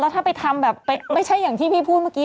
ถ้าไปทำแบบไม่ใช่อย่างที่พี่พูดเมื่อกี้